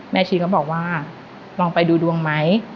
ชีก็บอกว่าลองไปดูดวงไหม